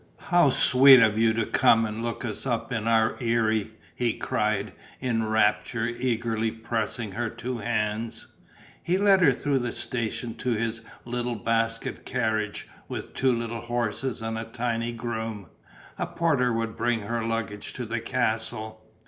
"How sweet of you to come and look us up in our eyrie!" he cried, in rapture, eagerly pressing her two hands. He led her through the station to his little basket carriage, with two little horses and a tiny groom. A porter would bring her luggage to the castle.